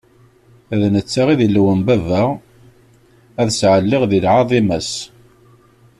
D netta i d Illu n baba, ad ssaɛliɣ di lɛaḍima-s.